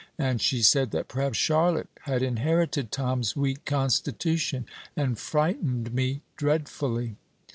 And she said that perhaps Charlotte had inherited Tom's weak constitution and frightened me dreadfully."